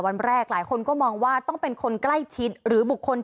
วันแรกหลายคนก็มองว่าต้องเป็นคนใกล้ชิดหรือบุคคล